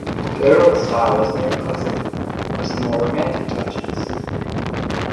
The overall style is neoclassical, with some more romantic touches.